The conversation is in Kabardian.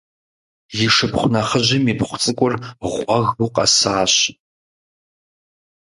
И шыпхъу нэхъыжьым ипхъу цӏыкӏур гъуэгыу къэсащ.